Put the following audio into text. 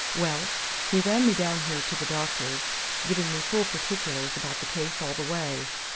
Well, he ran me down here to the doctor's, giving me full particulars about the case all the way.